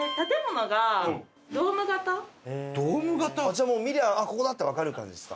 じゃあ見ればここだってわかる感じですか？